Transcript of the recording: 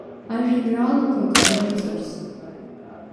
Ажәеинраалақәак анырҵарц.